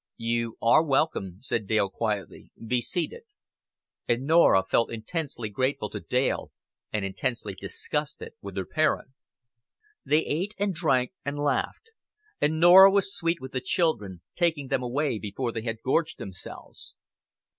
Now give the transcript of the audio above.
"You are welcome," said Dale quietly. "Be seated." And Norah felt intensely grateful to Dale and intensely disgusted with her parent. They ate and drank and laughed; and Norah was sweet with the children, taking them away before they had gorged themselves.